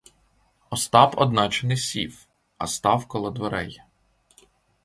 Остап одначе не сів, а став коло дверей.